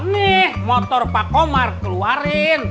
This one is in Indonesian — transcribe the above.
nih motor pak komar keluarin